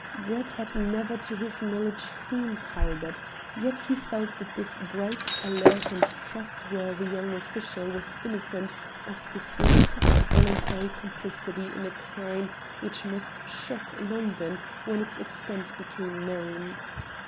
Brett had never, to his knowledge, seen Talbot, yet he felt that this bright, alert and trustworthy young official was innocent of the slightest voluntary complicity in a crime which must shock London when its extent became known.